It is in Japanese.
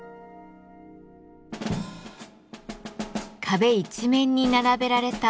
壁一面に並べられた